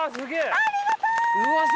ありがと！